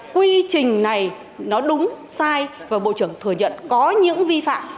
quy trình này nó đúng sai và bộ trưởng thừa nhận có những vi phạm